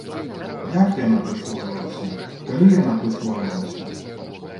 Як яна прысвойвалася, калі яна прысвойвалася!?